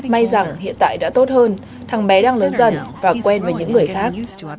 may rằng hiện tại đã tốt hơn thằng bé đang lớn dần và quen với những người khác